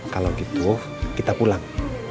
kalau gitu kita pulang